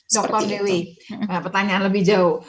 dr dewi pertanyaan lebih jauh